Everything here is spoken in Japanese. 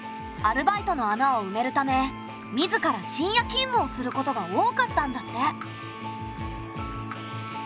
アルバイトの穴をうめるため自ら深夜勤務をすることが多かったんだって。